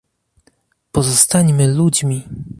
Pozostańmy ludźmi!